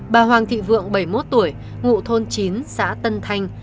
bà hoàng thị vượng bảy mươi một tuổi ngụ thôn chín xã tân thanh